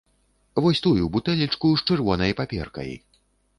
Вось тую бутэлечку з чырвонай паперкай!